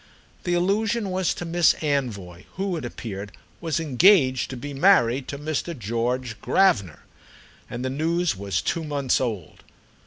The allusion was to Miss Anvoy, who, it appeared, was engaged to be married to Mr. George Gravener; and the news was two months old.